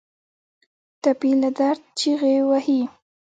ټپي له درد چیغې وهي.